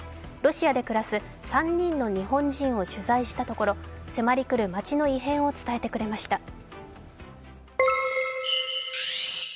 ロシアで暮らす３人の日本人を取材したところ迫り来る街の異変を伝えてくれました。